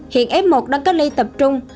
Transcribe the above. hiện f một đang cách ly tập trung